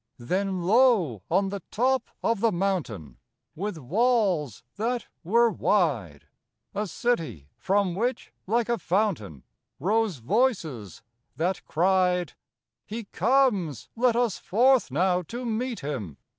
Then, lo! on the top of the mountain, With walls that were wide, A city! from which, like a fountain, Rose voices that cried: "He comes! Let us forth now to meet him!